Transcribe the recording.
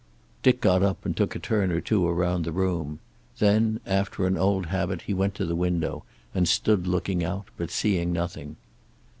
Dick got up and took a turn or two around the room. Then, after an old habit, he went to the window and stood looking out, but seeing nothing.